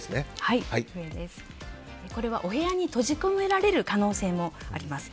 これはお部屋に閉じ込められる可能性もあります。